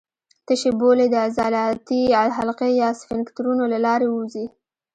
تشې بولې د عضلاتي حلقې یا سفینکترونو له لارې ووځي.